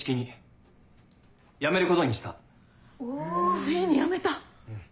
ついにやめた！